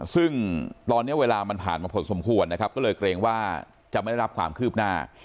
ซึ่งตอนนี้เวลามันผ่านมาพอสมควรนะครับก็เลยเกรงว่าจะไม่ได้รับความคืบหน้า